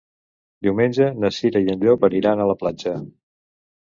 Diumenge na Cira i en Llop aniran a la platja.